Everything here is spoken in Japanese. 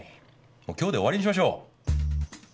もう今日で終わりにしましょう。